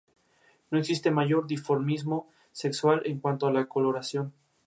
Los restos del templo están adosados a un edificio que sirve como establo.